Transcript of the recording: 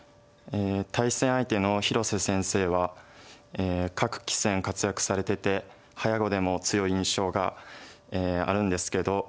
対戦相手の広瀬先生は各棋戦活躍されてて早碁でも強い印象があるんですけど。